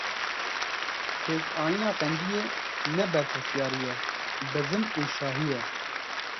Pêkanîna qenciyê ne berpirsyarî ye, bezim û şahî ye.